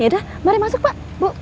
yaudah mari masuk pak bu